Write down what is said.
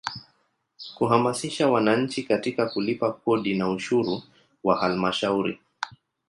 Kuhamasisha wananchi katika kulipa kodi na ushuru wa Halmashauri.